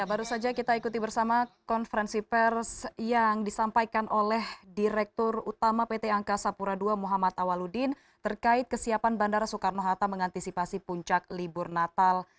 baru saja kita ikuti bersama konferensi pers yang disampaikan oleh direktur utama pt angkasa pura ii muhammad awaludin terkait kesiapan bandara soekarno hatta mengantisipasi puncak libur natal